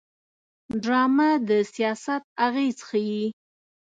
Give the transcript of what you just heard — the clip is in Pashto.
ډرامه د سیاست اغېز ښيي